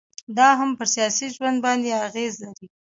دا هم پر سياسي ژوند باندي اغيزي لري